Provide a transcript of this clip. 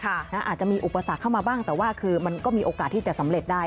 อาจจะมีอุปสรรคเข้ามาบ้างแต่ว่าคือมันก็มีโอกาสที่จะสำเร็จได้